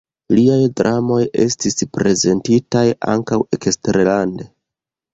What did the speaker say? Liaj dramoj estis prezentitaj ankaŭ eksterlande.